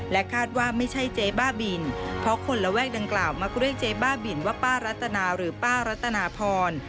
คาดว่าไม่ใช่เจ๊บ้าบินเพราะคนระแวกดังกล่าวมักเรียกเจ๊บ้าบินว่าป้ารัตนาหรือป้ารัตนาพร